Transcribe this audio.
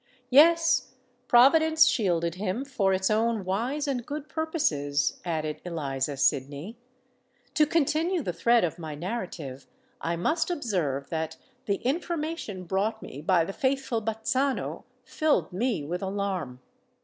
"Yes—Providence shielded him for its own wise and good purposes," added Eliza Sydney. "To continue the thread of my narrative, I must observe that the information brought me by the faithful Bazzano filled me with alarm.